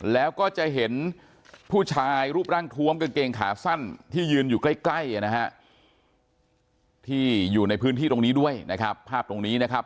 แล้วก็จะเห็นผู้ชายรูปร่างทวมกางเกงขาสั้นที่ยืนอยู่ใกล้นะฮะที่อยู่ในพื้นที่ตรงนี้ด้วยนะครับภาพตรงนี้นะครับ